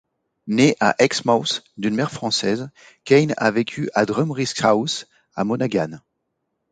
Né à Exmouth d’une mère française, Kane a vécu à Drumreaske House à Monaghan.